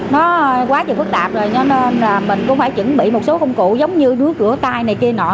nó quá và phức tạp rồi cho nên là mình cũng phải chuẩn bị một số công cụ giống như đúa cửa tay này kia nọ